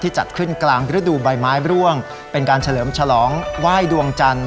จัดขึ้นกลางฤดูใบไม้ร่วงเป็นการเฉลิมฉลองไหว้ดวงจันทร์